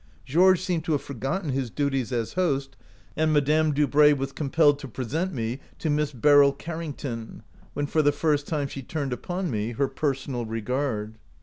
Georges seemed to have forgotten his duties as host, and Madame Dubray was compelled to present me to Miss Beryl Car rington, when for the first time she turned upon me her personal regard.